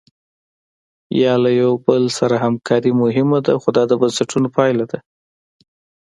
یا له یو بل سره همکاري مهمه ده خو دا د بنسټونو پایله ده.